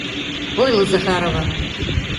Ойло, Захарова!